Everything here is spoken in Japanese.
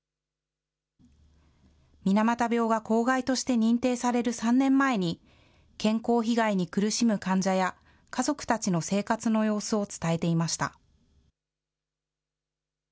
水俣病が公害として認定される３年前に、健康被害に苦しむ患者や、家族たちの生活の様子を伝えていました。